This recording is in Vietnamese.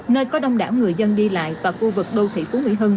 nơi có đông đảo người dân đi lại và khu vực đô thị phú mỹ hưng